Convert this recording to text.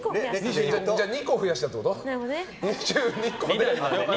２個増やしたってこと？